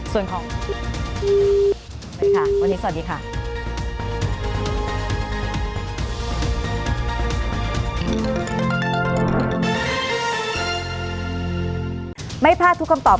สวัสดีครับ